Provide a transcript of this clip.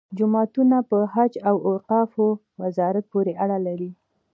جوماتونه په حج او اوقافو وزارت پورې اړه لري.